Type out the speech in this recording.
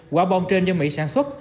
quả bom trên do mỹ sản xuất